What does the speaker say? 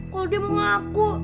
kalau dia mau ngaku